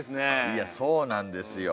いやそうなんですよ。